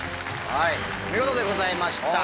お見事でございました！